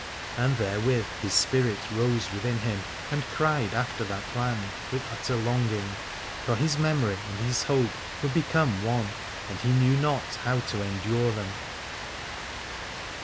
And therewith his spirit rose within him and cried after that land with utter longing, for his memory and his hope were become one, and he knew not how to endure them.